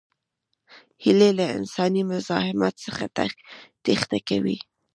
هیلۍ له انساني مزاحمت څخه تېښته کوي